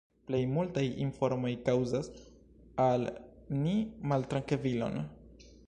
Plej multaj informoj kaŭzas al ni maltrankvilon.